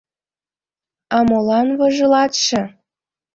— А молан вожылатше?